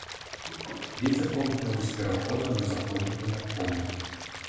Вецер паўднёвы з пераходам на заходні памяркоўны.